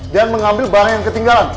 dan mengambil bahan yang ketinggalan